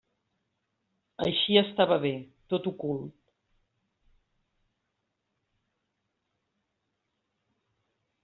Així estava bé: tot ocult.